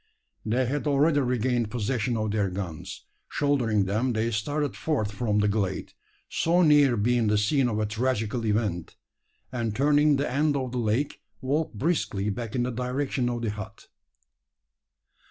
They had already regained possession of their guns. Shouldering them, they started forth from the glade so near being the scene of a tragical event and, turning the end of the lake, walked briskly back in the direction of the hut.